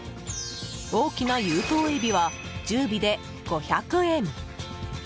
大きな有頭エビは１０尾で５００円。